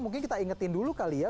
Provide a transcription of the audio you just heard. mungkin kita ingetin dulu kali ya